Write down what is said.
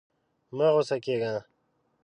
مه غوسه کېږه!